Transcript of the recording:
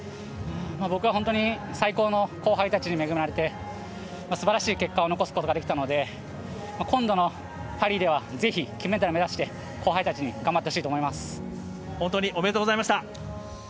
僕は本当に最高の後輩たちに恵まれて、すばらしい結果を残すことができたので、今度のパリではぜひ金メダル目指して、後輩たちに頑張ってほしい本当におめでとうございまし